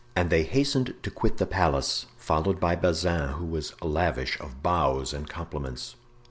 And they hastened to quit the palace, followed by Bazin, who was lavish of bows and compliments.